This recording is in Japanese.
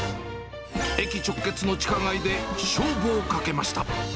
駅直結の地下街で勝負をかけました。